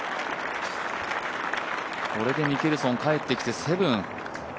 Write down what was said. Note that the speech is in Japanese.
これでミケルソン帰ってきて７。